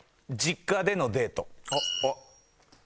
実家でのデート。